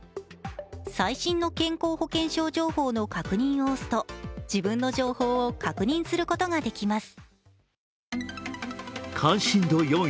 最新の健康保険証情報の確認を押すと自分の情報を確認することができます。